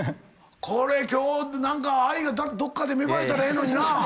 これ今日何か愛がどっかで芽生えたらええのにな。